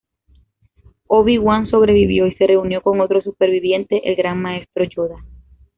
Obi-Wan sobrevivió y se reunió con otro superviviente, el Gran Maestro Yoda.